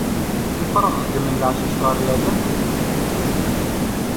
Ifrax xeddmen leɛcuc ɣer leryaf-nsen.